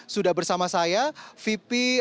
sudah bersama saya vipi